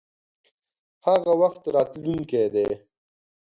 هغه وخت راتلونکی دی.